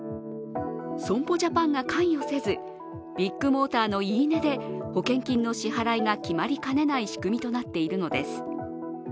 損保ジャパンが関与せずビッグモーターの言い値で保険金の支払いが決まりかねない仕組みとなっているのです。